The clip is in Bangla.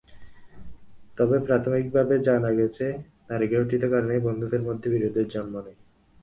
তবে প্রাথমিকভাবে জানা গেছে, নারীঘটিত কারণেই বন্ধুদের মধ্যে বিরোধের জন্ম নেয়।